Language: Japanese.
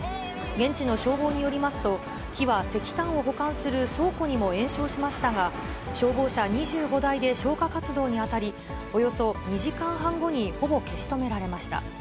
現地の消防によりますと、火は石炭を保管する倉庫にも延焼しましたが、消防車２５台で消火活動に当たり、およそ２時間半後にほぼ消し止められました。